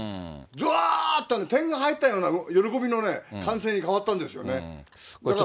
どわーっと、点が入ったような喜びの歓声に変わったんですよね。